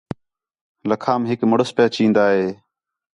لَکھام ہِک مُݨس پِیا چین٘دا ہِے